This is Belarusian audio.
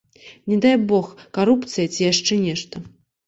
Не дай бог карупцыя ці яшчэ нешта.